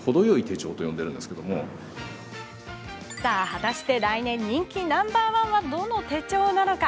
果たして来年人気ナンバー１はどの手帳なのか？